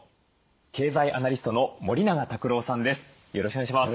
経済アナリストの森永卓郎さんです。